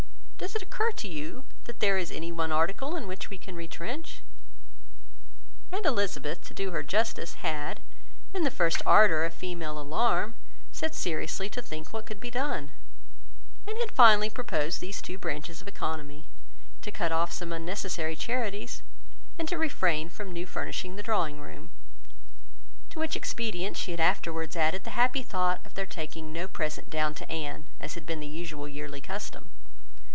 Does it occur to you that there is any one article in which we can retrench?" and Elizabeth, to do her justice, had, in the first ardour of female alarm, set seriously to think what could be done, and had finally proposed these two branches of economy, to cut off some unnecessary charities, and to refrain from new furnishing the drawing room; to which expedients she afterwards added the happy thought of their taking no present down to Anne, as had been the usual yearly custom.